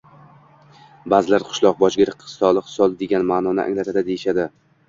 Ba’zilar qishloq Boj gir - «Soliq sol» degan ma’noni anglatadi, deyishadi.